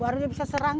baru dia bisa serang